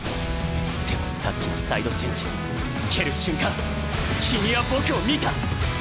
でもさっきのサイドチェンジ蹴る瞬間君は僕を見た！